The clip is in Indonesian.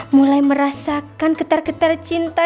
mulai merasakan getar getar cinta